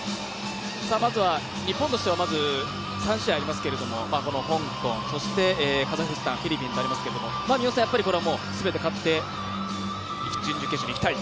日本としてはまず、３試合ありますけれども、この香港、そしてカザフスタンフィリピンとありますけどやっぱりこれはすべて勝って準決勝にいきたい。